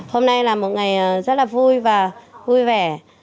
hôm nay là một ngày rất là vui và vui vẻ